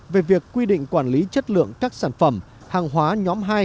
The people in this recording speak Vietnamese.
về việc quy định quản lý chất lượng các sản phẩm hàng hóa nhóm hai